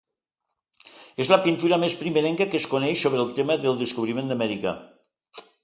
És la pintura més primerenca que es coneix sobre el tema del descobriment d'Amèrica.